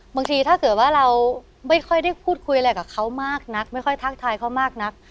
บางทีถ้าเกิดว่าเราไม่ค่อยได้พูดคุยอะไรกับเขามากนักไม่ค่อยทักทายเขามากนัก